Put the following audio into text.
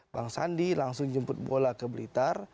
bang sandi langsung jemput bola ke blitar